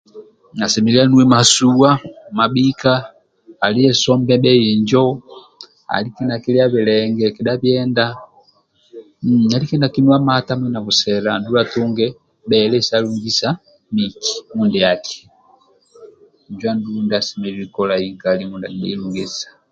Asemelelu anuwe masuwa mabhika aliye sombe bhie injo alike nakilia bilenge kedha bienda alike nakinuwa mata hamui na busela andulu atunge bhele salungisa miki mindiaki injo andulu ndia asemelelu kolai nkali mindia abgei lungisa